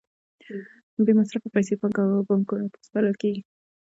بې مصرفه پیسې بانکونو ته سپارل کېږي